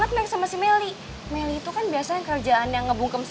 tapi gue tuh bete banget